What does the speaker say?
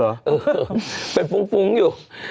เออเป็นฟุ้งอยู่